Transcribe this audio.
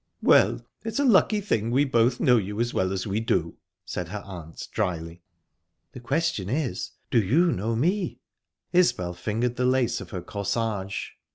"Well, it's a lucky thing we both know you as well as we do," said her aunt, dryly. "The question is, do you know me?" Isbel fingered the lace of her corsage.